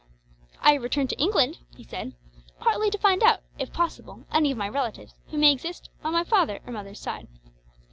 "I have returned to England," he said, "partly to find out, if possible, any of my relatives who may exist on my father's or mother's side."